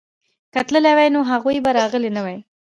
که تللي وای نو هغوی به راغلي نه وای.